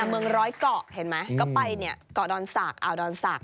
เมืองร้อยเกาะเห็นไหมก็ไปเกาะดอนสากอาวดอนสาก